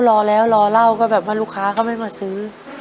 รอแล้วรอเล่าก็แบบว่าลูกค้าก็ไม่มาซื้อ